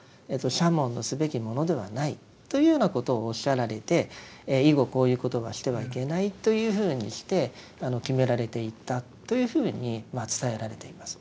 沙門のすべきものではないというようなことをおっしゃられて以後こういうことはしてはいけないというふうにして決められていったというふうに伝えられています。